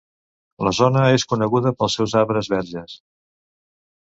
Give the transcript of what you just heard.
La zona és coneguda pels seus arbres verges.